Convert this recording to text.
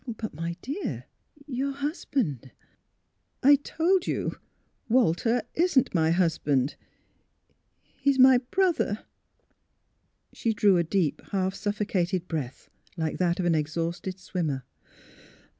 " But — my dear; your — your husband "'' I told you Walter wasn't my husband. He is my brother." She drew a deep, half suffocated breath, like that of an exhausted swimmer.